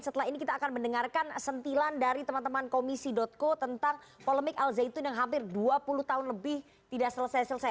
setelah ini kita akan mendengarkan sentilan dari teman teman komisi co tentang polemik al zaitun yang hampir dua puluh tahun lebih tidak selesai selesai